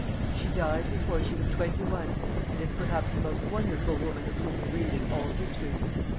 She died before she was twenty one, and is perhaps the most wonderful woman of whom we read in all history.